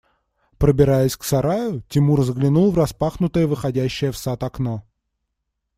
Пробираясь к сараю, Тимур заглянул в распахнутое, выходящее в сад окно.